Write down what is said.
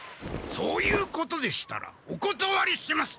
そういうことでしたらおことわりします！